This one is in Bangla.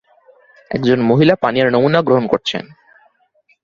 একজন মহিলা পানীয়ের নমুনা গ্রহণ করছেন।